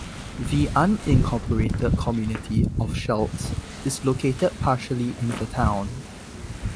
The unincorporated community of Schultz is located partially in the town.